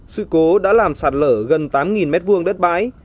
sự cố đã làm sạt lở gần tám m hai đất bãi